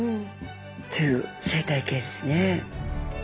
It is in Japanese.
という生態系ですね。